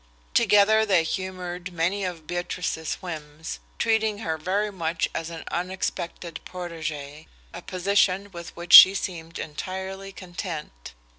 Together they humoured many of Beatrice's whims, treating her very much as an unexpected protegée, a position with which she seemed entirely content.